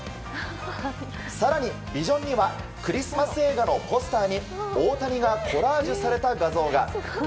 更に、ビジョンにはクリスマス映画のポスターにポスターに大谷がコラージュされた画像が。